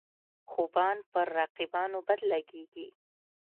خوبان پر رقیبانو بد لګيږي.